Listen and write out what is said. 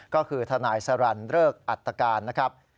ก็คือทนายสรรเริกอัตการนะครับ